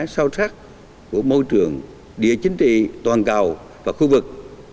sâu sắc của môi trường địa chính trị toàn cầu và khu vực